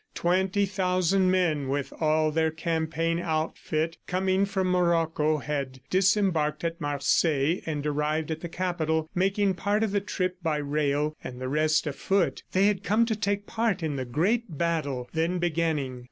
Twenty thousand men, with all their campaign outfit, coming from Morocco, had disembarked at Marseilles and arrived at the Capital, making part of the trip by rail and the rest afoot. They had come to take part in the great battle then beginning.